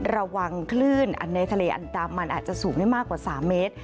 ระวังคลื่นในทะเลอันดามันอาจจะสูงได้มากกว่า๓เมตร